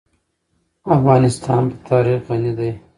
افغانستان په تاریخ غني دی.